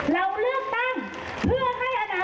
เราเลือกตั้งเพื่อให้อนาคตของลูกหลาน